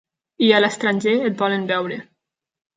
I a l'estranger et volen veure.